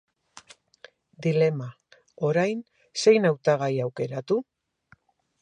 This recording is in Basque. Dilema, orain, zein hautagai aukeratu?